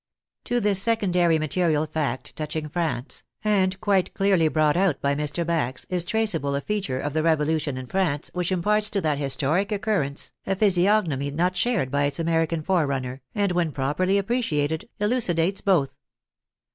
To this secondary material fact touching France, and quite clearly brought out by Mr. Bax, is traceable a PREFACE TO THE AMERICAN EDITION xi feature of the Revolution in France which imparts to that historic occurrence a physiognomy not shared by its American forerunner, and when properly appreciated, elucidates both.